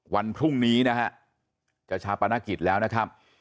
วันพรุ่งนี้นะฮะจะชาปนกิจแล้วนะครับ